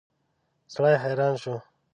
سړی حیران شو.